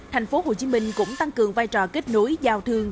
thành phố hồ chí minh cũng tăng cường vai trò kết nối giao thương